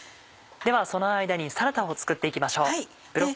ではその間にサラダを作って行きましょう。